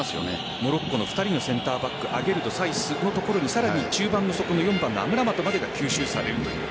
モロッコの２人のセンターバックアゲルド、サイスのところ中盤の４番のアムラバトが吸収されると。